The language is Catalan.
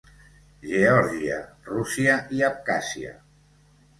Geòrgia, Rússia i Abkhàzia.